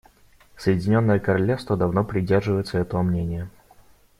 Соединенное Королевство давно придерживается этого мнения.